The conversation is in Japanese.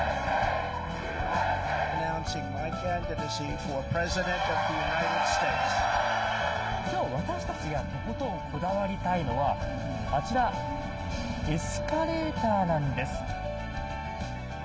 きょう、私たちがとことんこだわりたいのは、あちら、エスカレーターなんです。